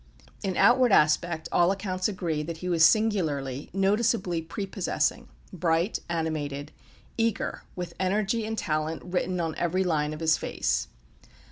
In outward aspect all accounts agree that he was singularly, noticeably prepossessing bright, animated, eager, with energy and talent written in every line of his face.